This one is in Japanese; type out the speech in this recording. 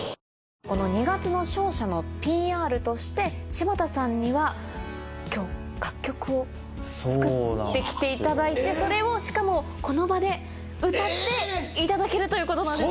この『二月の勝者』のＰＲとして柴田さんには今日楽曲を作って来ていただいてそれをしかもこの場で歌っていただけるということなんですよね。